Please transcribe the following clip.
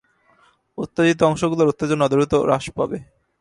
উত্তেজিত অংশগুলোর উত্তেজনা দ্রুত হ্রাস পাবে।